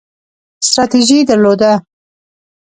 ستراتیژي درلوده